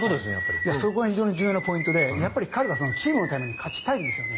そこは非常に重要なポイントで彼はチームのために勝ちたいんですよね。